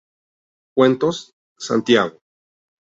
Cuentos: Santiago.